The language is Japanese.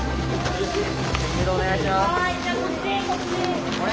誘導お願いします。